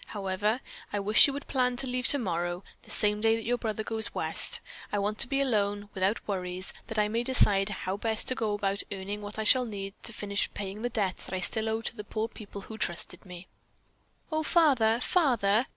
However, I wish you would plan to leave tomorrow, the same day that your brother goes West. I want to be alone, without worries, that I may decide how best to go about earning what I shall need to finish paying the debt that I still owe to the poor people who trusted me." "Oh, father, father!"